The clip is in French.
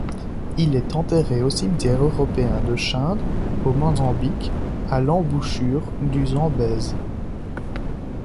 Il est enterré au cimetière européen de Chinde au Mozambique, à l'embouchure du Zambèze.